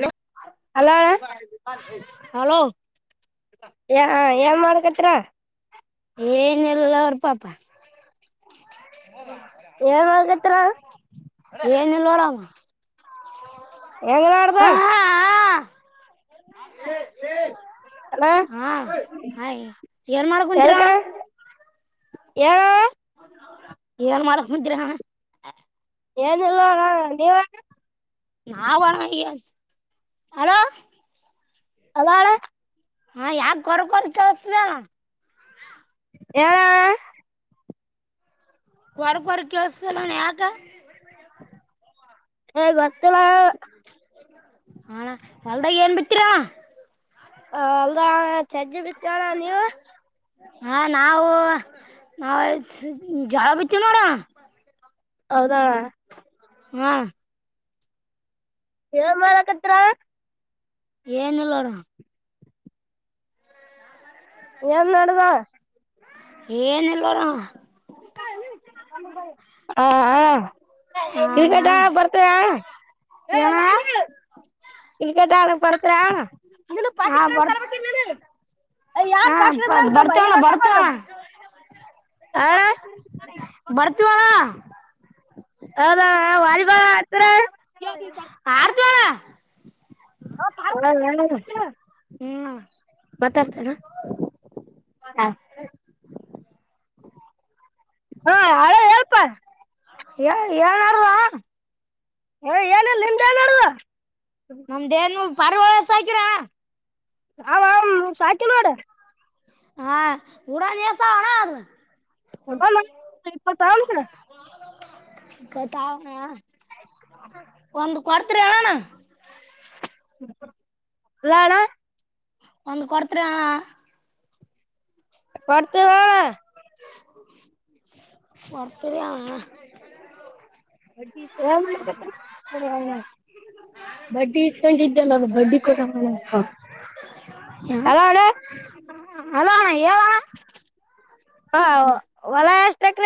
Low hello hello ಏನ್ ಮಾಡ್ಕತ್ತರ ಏನಲ್ಲ ಅವ್ರ ಪಾಪ ಏನ್ ಮಾಡ್ಕತ್ರ ಏನುಲ್ಲೋರಾಮ ಎಂಗನ ಅಡ್ದಾ ಅಣ್ಣ ಹ ಹಾ ಆಯ್ ಏನ್ ಮಾರ ಕುಂತರೋಣ ಯ ಏವನ್ ಮಾಡಕ್ ಮುಂದಿರ ಹಣ ಏನುಲ್ಲಣ ದೀವಣ ನಾ ಒರ ಹಲೋ ಅದಳೆ ಹಾ ಯಾಕ ಕೊರಕರ್ ಕೆೇಳಸನಾ ಾವ ಕೊರ ಕೊರಕೋತಲ್ಲ ಯಕ ಹ ಗೊತ್ತಲ್ಲ ಹಣ ಎಲ್ದಾಗ ಏನ್ ಬಿತೀರಾ ಹ ಅಲ್ದಾ ಚಜ್ಜಿ ಬಿತವಾರ ನೀವು ಹಾ ನಾವು ನ ಜಳ ಬಿತ್ತೀವಿ ನೋಡ ಹೌದಾ ಹಾ ಯ ಮಾಡಲಕತ್ರ ಏನಲ್ಲೋರ ನಡದಾ ಏ ನಲ್ವರ ಹ ಕ್ರಿಕೆಟಾ ಬರ್ತಯ ಏನ ಇಗ ನ ಪರಕರ ಅ ಹಾ ಪಾಕಿಸತನ್ ಬರ್ ತರವ ಅ ಯ ಹಾ ಪ ಮ ತ ಬರ್ತೇವಣ ನಲ್ಲ ಬರ್ತೇವಣ ಆಾ ಬರ್ತವಳ ಮಾತ್ರ ಆಡ್ತವಣ ಹ್ಮ್ ಮಾತಾಡ್ತನಾ ಹಾ ಯಾರ ಹಳ್ಪಾ ಯ ಯಾರಾರವಾ ಏ ಏನಲ್ಲ ನಿಮ್ ಏನ್ ಮಾಡುವ ನಮ್ದೇನು ಪಾರಿವಾಳ ಸಾಕಿರಾ ಹಾವ ಆ ಸಾಚಿ ಮಾಡಡೆ ಹಾ ಊರ ನೀಸಾವಣ ಅ ಇಪ್ಪತ್ತ ಬತಾವಾ ಹ್ಮ ಕೊರತರ್ಯಳ ನ ಲಾಣ ಒಂದು ಕೊಡ್ತ್ರರ ಕೊಡ್ತ ಹ ಹೊರ್ತರ [inaudible] ಬಡ್ಡಿ ಇಸ್ಕೊಂಡಿದ್ದಲ್ಲ ಅದು ಬಡ್ಡಿ ಕೊಡ ಹಣಸ ಹಲಣ ಹಲೋ ಅಣ್ಣ ಹೇಳಣ್ಣ ಹ ಹೊಲ ಎಷ್ಟಕ್ರ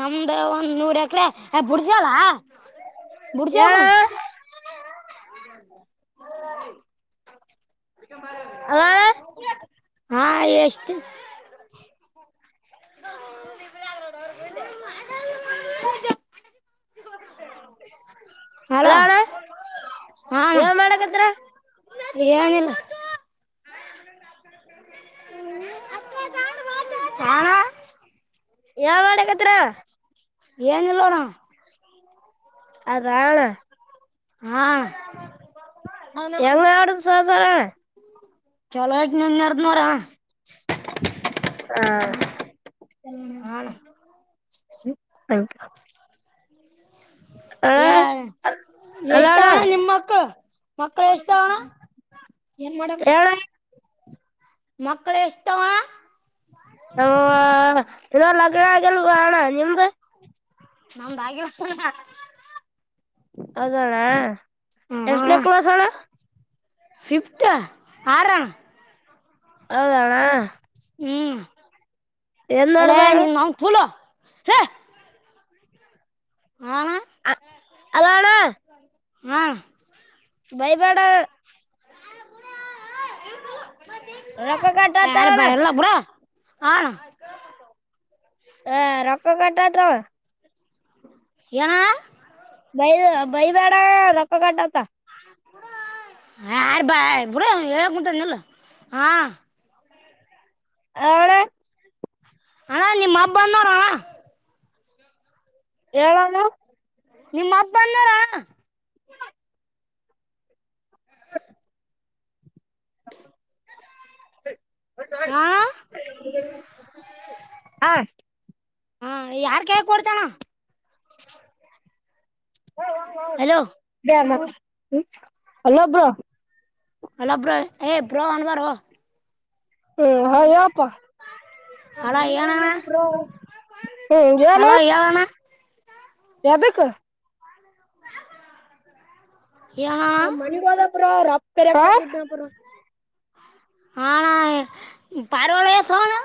ನಮ್ದು ಒಂದ್ ನೂರ ಎಕರೆ ಬುಡ್ಸಲ್ಲ ಬುಡ್ಸಿ ಹೋಗಣ [inaudible] ಹ ಅಲ್ಲ ಅಣ್ಣ ಹಾ ಎಷ್ಟು ಅವ ಅಲ್ಲ ಹಲೋ ಅಣ್ಣ ಹ ಏನ್ ಮಾಡಕತ್ರ ಏನಿಲ್ಲ ಯಾರ ಯಾವ ಮಾಡಳಗತ್ರ ಏನ್ ಇಲ್ಲೋಣ ಅದಣ ಹಾ ಎಂಗ ಆಡ ಸಸಾರ ಚಲೋ ನೀ ಇರನೂರಾ ಆ ಹಾ ತ್ಯಾಂಕ್ ಯು ಯಾರ ಅಲ್ಲ ಎಷ್ಟ್ ಅಣ್ಣ ತಾವಣ್ಣ ನಿಮ ಮಕ್ಳು ಮಕ್ಳ ಎಷ್ಟ್ ತಾವಣ ಏನ್ ಮಾಡಡ ಹೇಳ ಮಕ್ಳ ಎಷ್ಟಾವ ಹ ಇ ಲಗ್ನ ಆಗಲ್ವ ಹಣ ನಿಮ್ದ ನಮ್ದಾಗಿತ ಅದಣ ಎಷ್ಟನ ಕ್ಲಸ್ಳ ಫಿಫತ್ ಆರ ಹೌದಣ ಹ್ಮ್ ಎಲ್ಲ ನಿನ್ ನಂಗ [unintelligible] ಹ ಹ ಅದಣ ಹ್ಮ ವೈವಾಡ ರೊಕ್ಕ ಕಟ್ಟಾತ ಯಾರ ಅಣ್ಣ ಬರಲ್ಲ ಬುರ ಹ ಹ ರೊಕ್ಕ ಕಟಾದ ಏನ ಬೈ ಬೈಬೇಡ ರೊಕ್ಕ ಕಟ್ಟತ್ತ ಯ ಯಾರ ಬಾಯ ಬುರ ಹೇ ಉಂಟಲ್ಲ ಹಾ ಹಳ ಅಣ್ಣ ನಿಮ್ಮ ಅಪ್ಪ ಬಂದೋರಣ ಏಳುವನು ನಿಮ್ಮ ಅಪ್ಪ ಬಂದೋರಣ ಹಾ ಹಷ್ಟ ಯಾರ ಕೈಲಿ ಕೊಡ್ತೀಯಣ ಹಲೋ ಬ್ರೋ ಅಲೋ ಬ್ರೋ ಏ್ ಬೋ ಒನ್ವಾರ ಹ್ಮ್ ಹೇಳಪ್ಪ ನಾನು ಅಲ್ಲ ಏನಣ್ಣ ಮನೆಗೋಗಿನಿ ಬ್ರೋ ಆಂ ಹೇಳು ಹಲೋ ಹೇಳಣ ಯದಕ್ಕ ಹ ನಾನ್ ಮನೆಗೊಬೇಕು ಬ್ರೋ ಅವ್ರ ಅಪ್ಪ ಬೇರೆ ಹ ಅಣ್ಣ ಪರಿವಳ ಎ ಸೋಣ ಅಣ್ಣ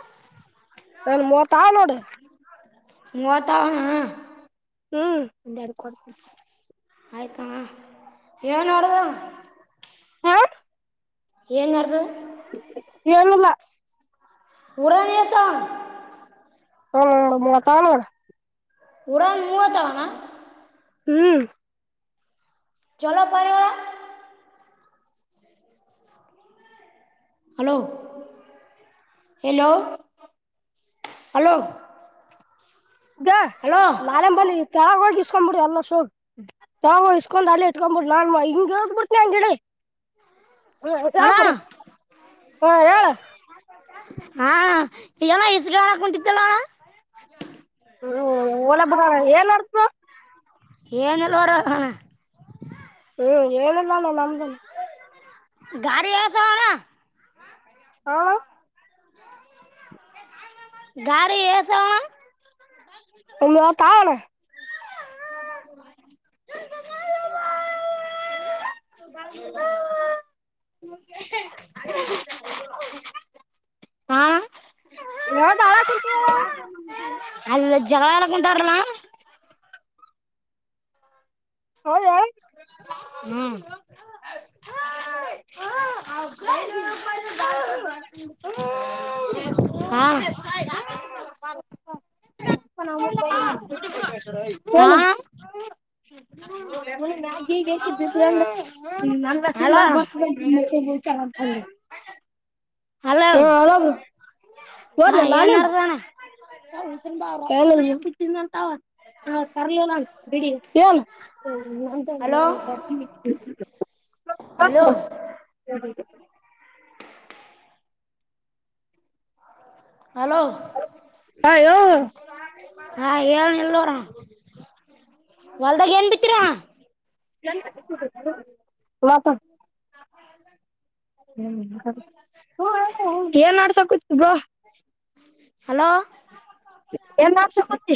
ಲ್ಲ ಮತ ಆ ನೋಡೆ ಮೂವತ್ತ ಹ್ಮ್ ಎಡು ಕೊಡತ ಆಯ್ತಾ ಏನು ನೋಡ್ದ ಹಾ ಏನದು ಏನೀಲ್ಲ ಉರನೇಶ ಹ ಮತ ನೋಡ ಉರಾ ಮೂವ ತಾವಣ ಹ್ಮ್ ಚಲೋ ಪಾರಿವಾಳ ಹಲೋ ಹಲೋ ಹಲೋ ಈಗ ಹಲೋ ಲಾರೆೆಂಬಲ್ಲಿ ತಾವೋಗ ಇಸ್ಕೊ್ ಬಿಿಡಿ ಎಲ್ಲ ಶೋೋಗ ತಾವ ಇಸ್ಕೊಂಡ್ ಅಲ್ಲೇ ಇಟ್ಕೊಂಡ್ಬಿಡ್ ನಾ ಹಿಂಗಗೆ ಹೋಗ ಬಿಡ್ನನೆಿಂಗಿಡೆ ಹ ಹಾ ಯಬುರ ಹಾ ಹೇಳ ಹಾ ಎಲ್ಲ ಇಸಗಣ ಕುಂಟಿತ್ತಲ್ಲಣ್ಣ ಹ್ಮ ಒಲಬ ಏನ್ ಆಡ್ತ ಏ ನಲ್ಲರಣ ಹ ಹೇಳ ನಾನ ನಮ್ದ ಗರಿ ಆಸಣ ಹಾ ಗಾರಿಯೇ ಸಾ ಮೂವತಾಳನ ಹ ಹೂ ಊ ಹಾ ಯ ಅಲ್ಲಿ ಜವಳಾಡಕುಂತರಣ ಹೌ ಯಾವ ಹ್ಮ್ [unintelligible] ಹಾ ಏನು ಹಾ ಹಲೋ [unintelligible] [unintelligible] ಹಲೋ ಹ [unintelligible] ಹಾ ಏನ್ಡ್ದನಾ ಹ [unintelligible] ಹಾ ಕರ್ಲ ಬಿಡಿ ಏನು ಸಾಕು ಹಲೋ ಹಲೋ ಬಿಡೋ [unintelligible] [inaudible] ಹಲೋ ಅ ಹೇಳೋ ಹಾ ಏಳು ನಲ್ಲೋರ ಹೋಲ್ದಾಗ ಏನ್ ಬಿತ್ರರಾ ಮತ್ತ ಏನ್ ನಡ್ಸಕೂತಿ ಬ್ರೋ ಹಲೋ [unintelligible] ಏನು ಮಾಡ್ಸ ಕುಂತಿ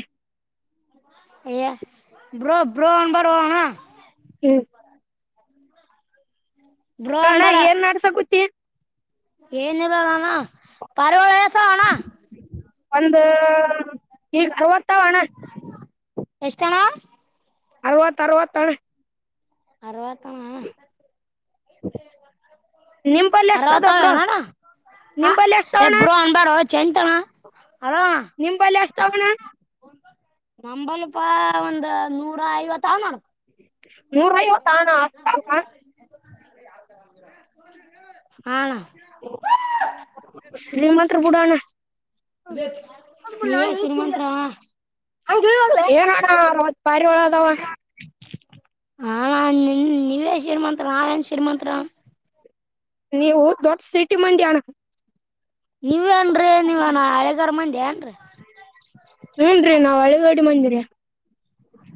ಹೆ ಬೋ ಬ್ರೋನ್ [unintelligible] ಹ್ಮ ಹ ಣ ಏನ್ ಮಾಡ್ಸ ಗುತ್ತಿ ಏನ್ನಲ್ಲ ಅಣ್ಣ ಪಾರಿವಾಳ ಎಷ್ಟಿದೆ ಅಣ್ಣ ಒಂದು ಈಗ ಅರವತ್ತಾವಣ ಎಷ್ಟಣ ಅರವತ್ತು ಅರವತ್ತ ಅರವಾತ ಅಣ್ಣ ನಿಂಬಲ್ಲಿ ಅರವತ ಎಷ್ಟದ ಬ್ರೋ ಅವ ಅಣ್ಣ ಹ ನಿಂಬಲ್ಲಿ ಎಷ್ಟ ಎ ಅಣ್ಣ ಬ್ರೋ ಅನ್ಬಾರೋ ಚಂತಾನ ನಿಂಬಲ್ಲಿ ಅಷ್ಟ ಅಣ್ಣ ನಮಂಬಲ್ಪಾ ಒಂದ ನೂರ ಐವತ್ ನೋಡ ನೂರ ಐವತ್ತು ಅಣ್ಣ ಹಾ ಶ್ರೀಮಂತ್ರು ಬಿಡಣ್ಣ ನೀವೇ ಶ್ರೀಮಂತ್ರರಣ್ಣ ಏನ್ ಅಣ್ಣಾ ಅರವತ್ತು ಪಾರಿವಾಳ ಅದಾವ ಹ ನಾ ನಿ ನೀವೇ ಶ್ರೀಮಂತತ್ರ ನಾವೇನು ಶ್ರೀಮಂತರ ನೀವು ದೊಡ್ಡ ಸಿಟಿ ಮಂದಿ ಅಣ ನೀವೇನ್ರರಿ ನೀವೇನ ಹಳೆಗಾರ ಮಂದಿ ಏನ್ರೀ ಹ್ಮ್ ರಿ ನಾವ್ ಹಳಗಡಿ ಮಂದಿರ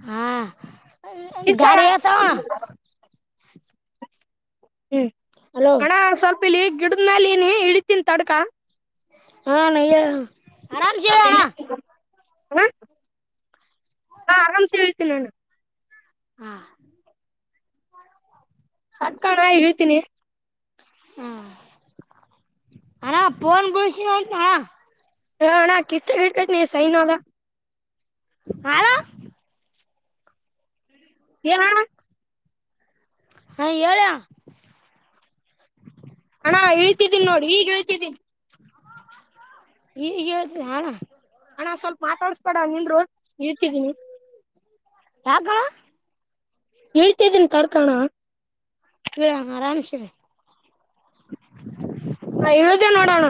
ಹಾ ಗಾರಿಯಸ ಹ್ಮ್ ಹಲೋ ಲಿ ಗಿಡದ ಮಾಲ ನ ಇಳಿತೀನ್ ತಡ್ಕ ಹಾ ನ ಹೇಳೋ ಆರಾಮಸ ಹೇಳಣ ಅಣ್ಣ ಆರಾಮ ಸೇ ಇಳೀತೀನಿ ಅಣ್ಣಾ ಹಾ ತಡ್ಕೋ ಅಣ್ಣಾ ಇಳೀತೀನಿ ಹಾ ಹಣ ಪಫೋನ್ ಬಳಸ ಉಟಣ ಹಾಣಾ ಕಿಸತ ಇಡ್ಬೇಕೇ ನೀ ಸೈನ್ದ ಹ ಹ ಹಾ ಹೇಳಾ ಹಣ ಹೇಳ್ತಿದ್ದೀನಿ ನೋಡಿ ಈಗ ಹೇಳ್ತಿದ್ದೀನಿ ಈ ಇ ಹಣ ಹಣ್ಣ ಸ್ವಲ್ಪ ಮಾತಾಡ್ಸಬೇಡ ನಿಂದರು ಇಳೀತೀನಿ ಯಾಕ ಅಣ್ಣಾ ಎಳ್ತೇದನ ತಡಕಣಾ ಹ ಆರಾಮ್ಸಿ ಇಳಿ ಹ ಹ ಇಳಿದೆ ನೋಡು ಅಣ್ಣಾ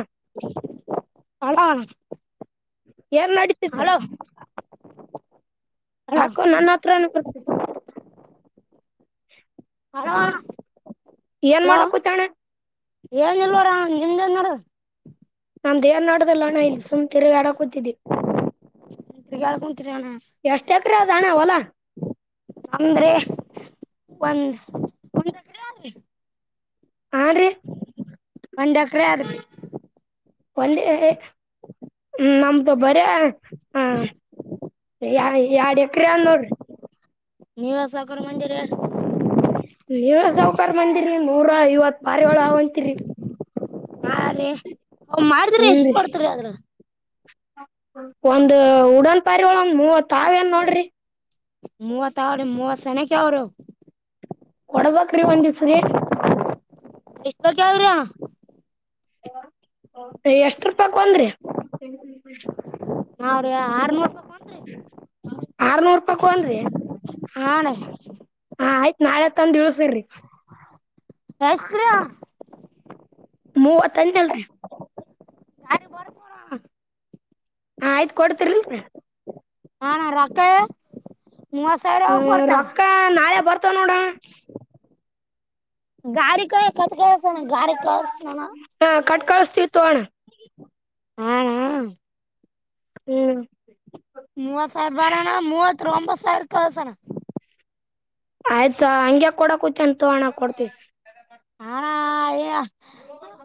ಹ ಏನ್ ನಡೀತಿದೆ ಹಲೋ ಯಾಕೋ ನಾನತ್ರಾಣ ಪತ ಹೋ ಏನ್ ಹಲೋ ಮಾಡಕೂತಣ್ಣ ಏನ್ ಇಲ್ವರ ನಿಮ್ದ ನೋಡ ನಾ ದೇವನಾಡ್ದಲ್ಲ ಅಣ ಇಲ್ಲ ಸುಮ್ಮ್ ತಿರುಗ ಆಡ ಕೂತಿದ್ದಿ ತಿಗಳ್ ಕುಂತರಣ ಎಷ್ಟ್ ಎಕರೆ ಅದ ಅಣ್ಣ ಹೊಲ ಅಂದ್ರೆ ಒ ಪ ತ ಕ ಆಲಿ [inaudible] ಹ ಒಂದ್ ಎಕರೆ ಅದ ರಿ ಒಂದ ನಮ್ದು ಬರ ಹ ಎಡು ಎಕ್ರ ನೋಡ್ರಿ ನೀವಾಸಾವ ಕರ ಮಂದಿ ರಿ ನೀವ ಸೌಕರ್ ಬಂದಿರಿ ಮರ ಇಐವತ್ ಬಾರಿ ಒಳಂತಿರಿ ಮೀ ಅವ ಮಾರಿದ್ರ ಹ್ಮ್ ಎಷ್ಟ ರೀ ಪಡ್ತರಿ ಆದ್ರ ಒಂದ್ ಉಡನ್ ಪರೀವಳ ಒಳ ಒಂದ ಮೂವತ್ ತಾವ ಏನ್ ನೋಡ್ರಿ ಮೂವತ್ ಅವ್ರಿ ಮೂವತ್ತು ಸನಕ್ಕೆ ಅವರು ಕೊಡ್ಬ್ರೀ ಒಂದ್ ದಿವ್ಸ ನೀ ಎಶ್ವರ್ ಕಾವ್ರಯ ಎಷ್ಟ ರೂಪಾಯ ಒಂದ್ರಿ ನಾವ್ರ ಆರ್ಲ ಆರ್ನೂರ್ ರೂಪಾಯಕ ಒಂದು ಹಾಣ ಹ ಆಯ್ತು ನಾಳೆ ಹತ್ತಂದ ದಿವ್ಸ ಇರರಿ ಎಷ್ಟತ್ ಮೂವತ್ತಂಂತ ಅಲ್ರಿ ಅ ಬರರ ಹ ಆಯ್ತು ಕೊಡ್ತರಿಲ್ರಿ ಹ ನಾ ರಕ್ಕ ಮೂ ಸಹರ ಆ ಹ್ಮ್ ಕೊಡ್ತಣ ರೊಕ್ಕ ನಾಳೆ ಬರ್ತಾವ ನೋಡಣ ಗಾಡಿ ಕಾಯ ಕತ್ತ ಕಸಣ ಗಾರ ಕಸ ಹಾ ಕಟ್ ಕಳಸ್ತೀವಿ ತೋಣ ಹಾ ಹಾ ಹ್ಮ್ ಮೂವತ್ ಸಾವಿರ ಬಾಡಣ ಮೂವತ್ ಒಂಬತ್ತು ಸಾವಿರ ಕಳಸಣ ಆಯ್ತಾ ಹಂಗೆ ಕೊಡಕೂಚನ್ ತೋಗಣ ಕೊಡ್ತ ಹ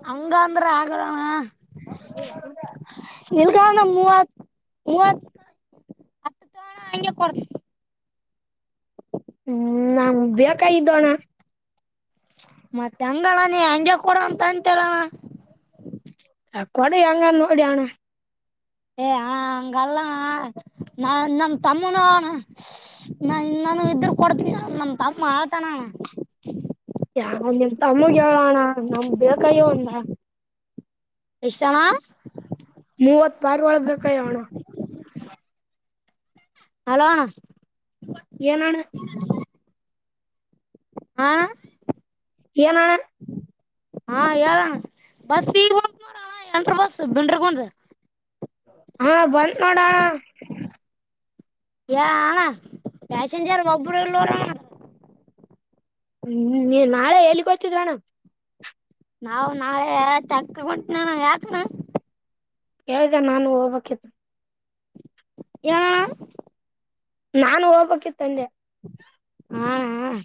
ಹಂಗ ಅಂದ್ರ ಆಗಣ ನಿಲ್ ಕಾರಣ ಮೂವತ್ತು ಇ ಅತಟ ಅಂಜೆ ಕೊಡ ಹ್ಮ್ ನಾ ಬೇಕ ಇದ್ದೋಣ ಮತ್ತೆ ಹಂಗಲ್ಲ ನೀ ಹಂಗೆ ಕೂಡ ಅಂತ ಅಂತೆಲ್ಲ ಕೊಡಿ ಹಂಗ ನೋಡಿ ಅಣ್ಣ. ಏ ಆ ಅಂಗಲ್ಲಣ ನಮ್ ತಮ್ಮುನು. ನಾ ಇನ್ನಾನು ಇದ್ರ ಕೊಡ್ತೀನಿ ನಮ್ ತಮ್ಮ ಹಳ್ತಾನ ಅಣ. ಯ ನಿಮ್ ತಮ್ಮಗೆ ಹೇಳೋಣ ನಮ್ ಬೇಕಯ್ಯೋ ಅಂದ. ಎಷ್ಟಣ ಮೂವತ್ ಪಾರ್ವಾಳ ಬೇಕು. ಹಲೋ ಅಣ ಏನ್ ಅಣ ಹಾ ಏನಣ್ಣ ಹಾ ಹೇಳ್ ಅಣ ಬಸ್ ಈಗ್ ಹೊಯ್ತ್ ನೋಡ್ ಅಣ ಎ [unintelligible] ಬಸ್ ಬಿಂಡ್ರಿಗುಂದ. ಹಾ ಬಂತ್ ನೋಡ್ ಅಣ. ಏ ಅಣ ಪ್ಯಾಸೆಂಜರ್ ಒಬ್ಬರು ಇಲ್ವರಣ. ಹ್ಮ್ ನೀ ನಾಳೆ ಎಲ್ಲಿಗ್ ಹೊಯ್ತಿದಿರ ಅಣ. ಹಾ ನಾಳೆ ತಕ್ಕುಂಗುಂಟ್ನನ ಯಾಕ್ ಅಣ. ಕೇಳ್ದೇ ನಾನು ಹೋಬೇಕ್ಕಿತ್ತು. ಏನ್ ಅಣ ನಾನು ಹೋಬೇಕಿತ್ ಅಂದೆ. ಹಾ ಣ